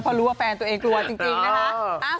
เพราะรู้ว่าแฟนตัวเองกลัวจริงนะคะ